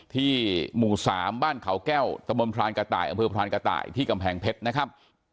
หมู่๓บ้านเขาแก้วตะบนพรานกระต่ายอำเภอพรานกระต่ายที่กำแพงเพชรนะครับ